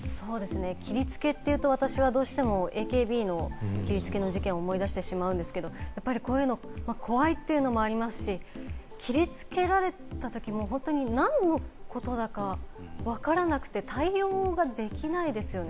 切り付けというと、ＡＫＢの切りつけの事件を思い出してしまうんですけれども、こういうのは怖いというのもありますし、切りつけられたとき、本当に何のことだかわからなくて、対応ができないですよね。